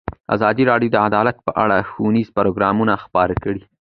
ازادي راډیو د عدالت په اړه ښوونیز پروګرامونه خپاره کړي.